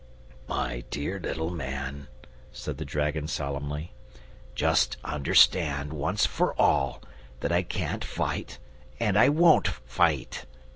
"My dear little man," said the dragon solemnly, "just understand, once for all, that I can't fight and I won't fight.